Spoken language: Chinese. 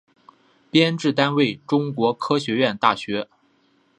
编制单位中国科学院大学